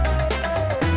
saya juga ngantuk